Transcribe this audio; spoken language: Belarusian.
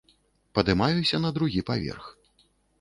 Падымаюся на другі паверх.